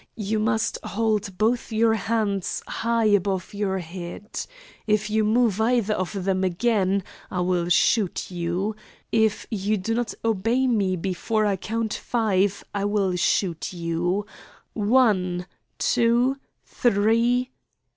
You must hold both your hands high above your head. If you move either of them again I will shoot you. If you do not obey me before I count five I will shoot you. One! Two! Three!